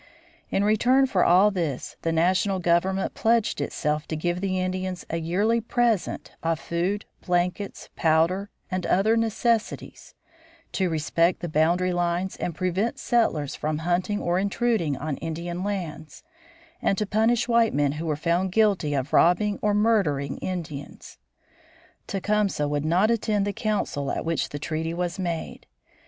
In return for all this the national government pledged itself to give the Indians a yearly "present" of food, blankets, powder, and other necessities, to respect the boundary lines and prevent settlers from hunting or intruding on Indian lands, and to punish white men who were found guilty of robbing or murdering Indians. Tecumseh would not attend the council at which the treaty was made.